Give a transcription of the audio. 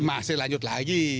masih lanjut lagi